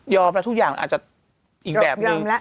แล้วทุกอย่างอาจจะอีกแบบนึง